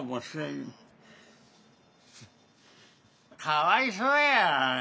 かわいそうやわ。